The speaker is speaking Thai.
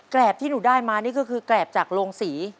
ที่หนูได้มานี่ก็คือแกรบจากโรงศรี